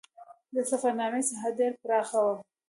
د سفرنامې ساحه ډېره پراخه وه.